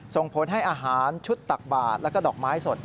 ส่งผลให้อาหารชุดตักบาทแล้วก็ดอกไม้สด